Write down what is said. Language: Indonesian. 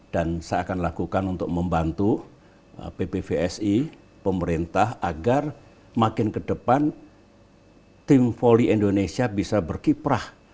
dan saya akan lakukan untuk membantu pbbsi pemerintah agar makin ke depan tim foli indonesia bisa berkiprah